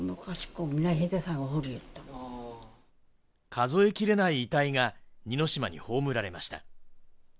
数えきれない遺体が似島に葬られました。